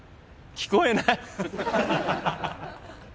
聞こえない。